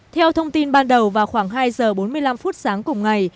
theo thông tin ban đầu vào khoảng hai giờ bốn mươi năm phút sáng cùng ngày